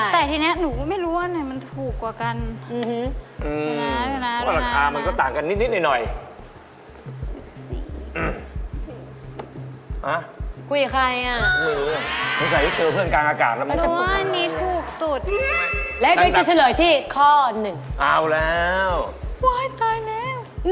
แต่ทีนี้หนูไม่รู้ว่าอันนี้มันถูกกว่ากัน